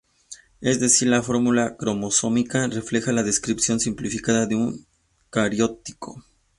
Es decir, la fórmula cromosómica refleja la descripción simplificada de un cariotipo.